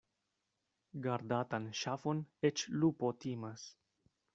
Gardatan ŝafon eĉ lupo timas.